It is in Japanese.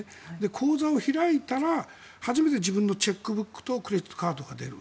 口座を開いたら、初めて自分のチェックブックとクレジットカードが出る。